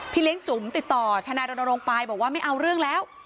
เลี้ยงจุ๋มติดต่อทนายรณรงค์ไปบอกว่าไม่เอาเรื่องแล้ว